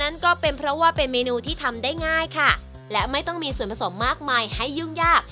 นั้นก็เป็นเพราะว่าเป็นเมนูที่ทำได้ง่ายค่ะและไม่ต้องมีส่วนผสมมากมายให้ยุ่งยาก